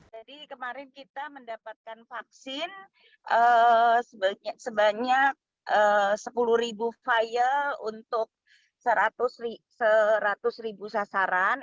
jadi kemarin kita mendapatkan vaksin sebanyak sepuluh vial untuk seratus sasaran